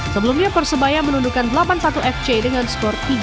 sebelumnya persebaya menundukkan delapan satu fc dengan skor tiga